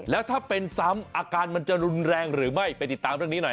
แล้วถ้าเป็นซ้ำอาการมันจะรุนแรงหรือไม่ไปติดตามเรื่องนี้หน่อย